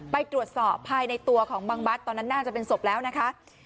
ไปตรวจสอบภายในตัวของบังบัตรตอนนั้นน่าจะเป็นศพแล้วนะคะ